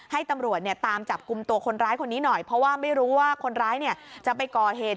ให้ตำรวจตามจับกลุ่มตัวคนร้ายคนนี้หน่อยเพราะว่าไม่รู้ว่าคนร้ายจะไปก่อเหตุ